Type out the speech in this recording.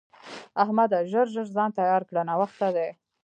احمده! ژر ژر ځان تيار کړه؛ ناوخته دی.